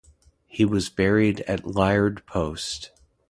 He was buried at Liard Post.